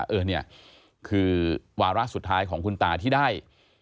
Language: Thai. เออเนี่ยคือวาระสุดท้ายของคุณตาที่ได้